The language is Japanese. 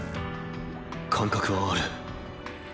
感覚はある。